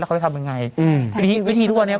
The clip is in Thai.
แล้วเขาจะทำยังไง